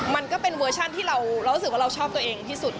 มันก็เป็นเวอร์ชันที่เรารู้สึกว่าเราชอบตัวเองที่สุด